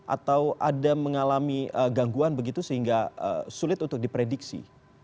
atau ada mengalami gangguan begitu sehingga sulit untuk diprediksi